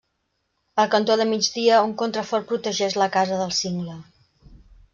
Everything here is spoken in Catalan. Al cantó de migdia un contrafort protegeix la casa del cingle.